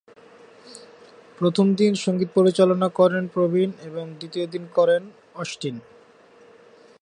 প্রথম গানটির সঙ্গীত পরিচালনা করেন প্রবীণ এবং দ্বিতীয়টির অস্টিন।